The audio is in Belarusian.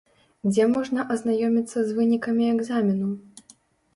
Дзе можна азнаёміцца з вынікамі экзамену?